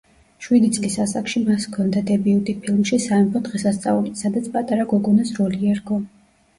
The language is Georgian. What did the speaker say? შვიდი წლის ასაკში მას ჰქონდა დებიუტი ფილმში „სამეფო დღესასწაული“, სადაც პატარა გოგონას როლი ერგო.